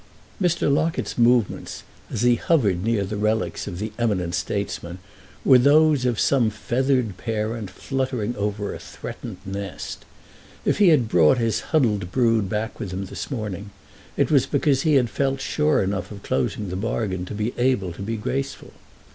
Mr. Locket's movements, as he hovered near the relics of the eminent statesman, were those of some feathered parent fluttering over a threatened nest. If he had brought his huddled brood back with him this morning it was because he had felt sure enough of closing the bargain to be able to be graceful.